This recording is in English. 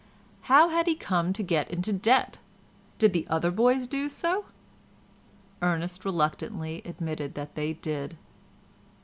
How had he come to get into debt? Did the other boys do so? Ernest reluctantly admitted that they did.